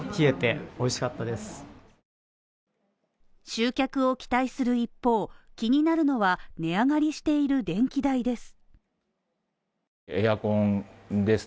集客を期待する一方、気になるのは値上がりしている電気代です。